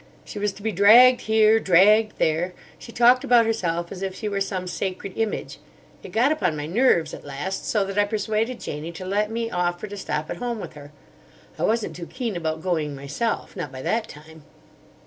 She was to be dragged here, dragged there. She talked about herself as if she were some sacred image. It got upon my nerves at last, so that I persuaded Janie to let me offer to stop at home with her. I wasn't too keen about going myself; not by that time."